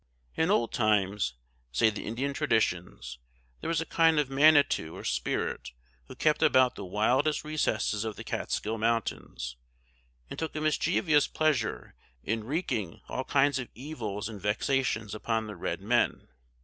In old times, say the Indian traditions, there was a kind of Manitou or Spirit, who kept about the wildest recesses of the Catskill mountains, and took a mischievous pleasure in wreaking all kind of evils and vexations upon the red men.